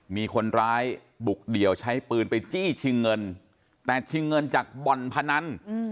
มีคนร้ายบุกเดี่ยวใช้ปืนไปจี้ชิงเงินแต่ชิงเงินจากบ่อนพนัน